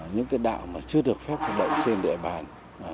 những cái đạo mà chưa được phép phát bệnh trên địa bàn